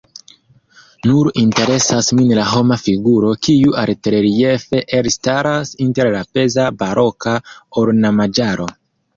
Nur interesas min la homa figuro, kiu altreliefe elstaras inter la peza baroka ornamaĵaro.